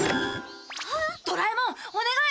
ドラえもんお願い！